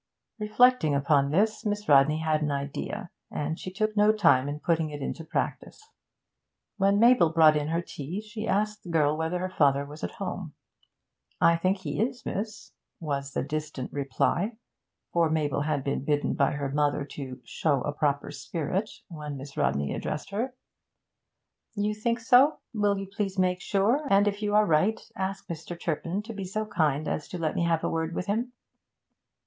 Reflecting upon this, Miss Rodney had an idea, and she took no time in putting it into practice. When Mabel brought in her tea, she asked the girl whether her father was at home. 'I think he is, miss,' was the distant reply for Mabel had been bidden by her mother to 'show a proper spirit' when Miss Rodney addressed her. 'You think so? Will you please make sure, and, if you are right, ask Mr. Turpin to be so kind as to let me have a word with him.'